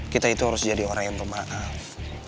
kita itu harus jadi orang yang bermaaf